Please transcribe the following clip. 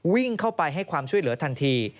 วิ่งเข้าไปให้ความช่วยเหลือทันที